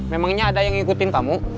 memangnya ada yang ngikutin kamu